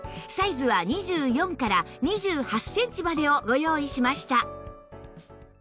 サイズは２４から２８センチまでをご用意しました